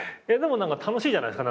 楽しいじゃないですか。